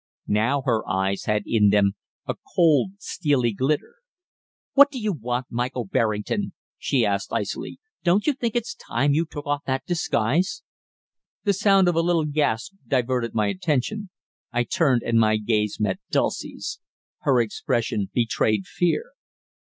Now her eyes had in them a cold, steely glitter. "What do you want, Michael Berrington?" she asked icily. "Don't you think it's time you took off that disguise?" The sound of a little gasp diverted my attention. I turned, and my gaze met Dulcie's. Her expression betrayed fear.